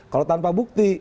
kalau tanpa bukti